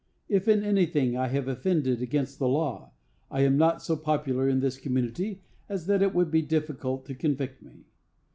If in anything I have offended against the law, I am not so popular in this community as that it would be difficult to convict me.